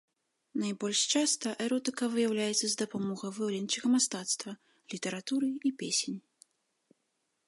Найбольш часта эротыка выяўляецца з дапамогай выяўленчага мастацтва, літаратуры і песень.